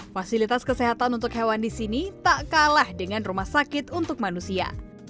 fasilitas kesehatan untuk hewan di sini tak kalah dengan rumah sakit untuk manusia